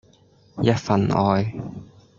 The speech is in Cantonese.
一份愛